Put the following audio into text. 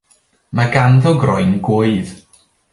Mae ganddo groen gŵydd.